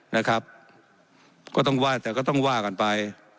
นะครับก็ต้องว่าแต่ก็ต้องว่ากันไป